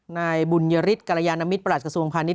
นายบุญญฤทธิ์กรยานมิตรประหลาดกระทรวงภัณฑ์นี้